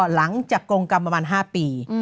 หลังจำกงกำประมาณ๕ปี